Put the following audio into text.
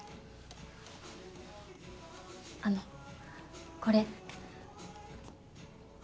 あのこれ。